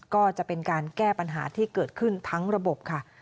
ก็จะเป็นการแก้ปัญหาที่เกิดขึ้นทั้งระบบค่ะ